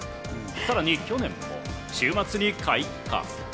さらに去年も週末に開花。